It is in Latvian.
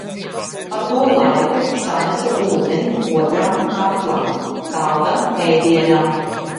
Pa to laiku sanesu ūdeni otram katlam, saldam ēdienam.